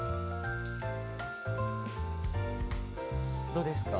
どうですか？